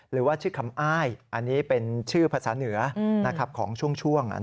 หรือว่าชื่อคำอ้ายอันนี้เป็นชื่อภาษาเหนือของช่วง